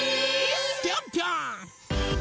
ぴょんぴょん！